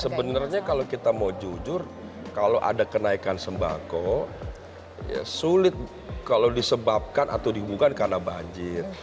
sebenarnya kalau kita mau jujur kalau ada kenaikan sembako ya sulit kalau disebabkan atau dihubungkan karena banjir